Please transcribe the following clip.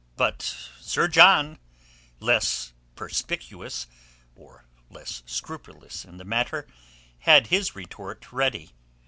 But Sir John, less perspicuous or less scrupulous in the matter, had his retort ready.